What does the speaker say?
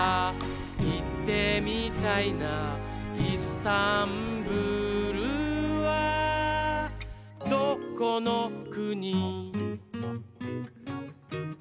「いってみたいないすタンブールはどこのくに？」